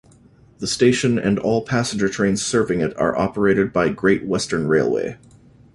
The station and all passenger trains serving it are operated by Great Western Railway.